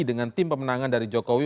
dengan tim pemenangan dari jokowi